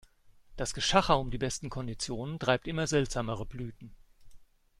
Das Geschacher um die besten Konditionen treibt immer seltsamere Blüten.